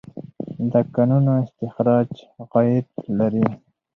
د کانونو استخراج عاید لري.